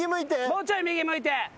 もうちょい右向いて。